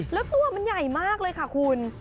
แล้วตัวมันใหญ่มากเลยค่ะคุณ